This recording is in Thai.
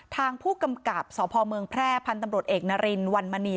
ทางผู้กำกับสพเมืองแพร่พันธุ์ตำรวจเอกนารินวันมณี